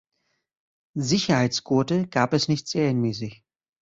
Sicherheitsgurte gab es nicht serienmäßig.